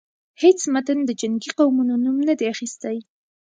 هیڅ متن د جنګی قومونو نوم نه دی اخیستی.